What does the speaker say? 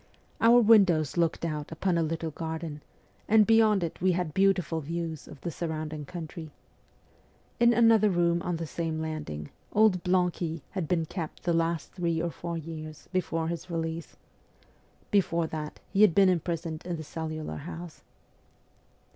Our windows looked out upon a little garden, and beyond it we had beautiful views of the surrounding country. In another room on the same landing old Blanqui had been kept the last three or four years before his release. Before that he had been imprisoned in the cellular house.